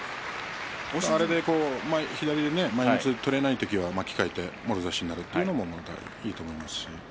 左で前みつ、取れない時は巻き替えてもろ差しになってもいいと思います。